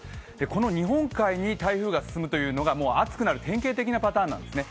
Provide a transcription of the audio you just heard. この日本海に台風が進むというのが暑くなる典型的なパターンなんですね。